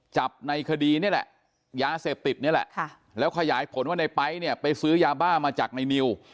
จับในคดีนี่แหละยาเสพติดนี่แหละแล้วขยายผลว่าในไป๊เนี่ยไปซื้อยาบ้ามาจากในนิว